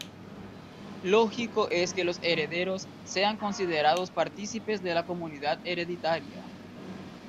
Lógico es que los herederos sean considerados partícipes de la comunidad hereditaria.